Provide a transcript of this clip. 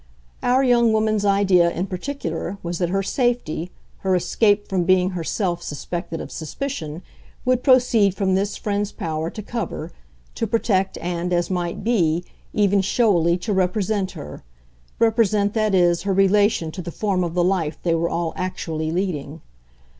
Our young woman's idea, in particular, was that her safety, her escape from being herself suspected of suspicion, would proceed from this friend's power to cover, to protect and, as might be, even showily to represent her represent, that is, her relation to the form of the life they were all actually leading.